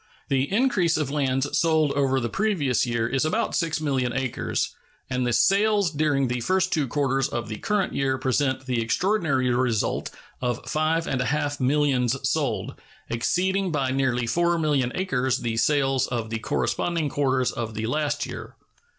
The increase of lands sold over the previous year is about 6,000,000 acres, and the sales during the first two quarters of the current year present the extraordinary result of five and a half millions sold, exceeding by nearly 4,000,000 acres the sales of the corresponding quarters of the last year.